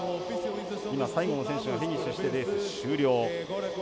今、最後の選手がフィニッシュして、レース終了。